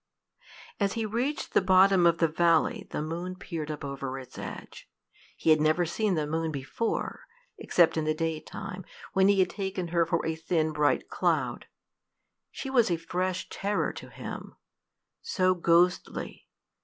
As he reached the bottom of the valley, the moon peered up over its edge. He had never seen the moon before except in the daytime, when he had taken her for a thin bright cloud. She was a fresh terror to him so ghostly!